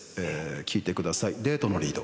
聞いてください「デートのリード」